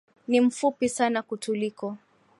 Ni mfupi sana kutuliko